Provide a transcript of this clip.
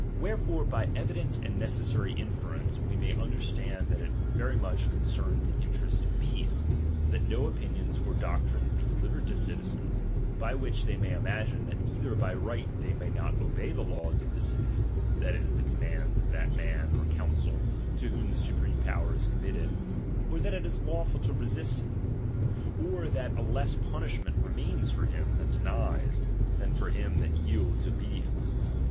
Wherefore, by evident and necessary inference, we may understand that it very much concerns the interest of peace, that no opinions or doctrines be delivered to citizens, by which they may imagine that either by right they may not obey the laws of the city, that is, the commands of that man or council to whom the supreme power is committed, or that it is lawful to resist him, or that a less pun ishment remains for him that denies, than for him that yields obedience.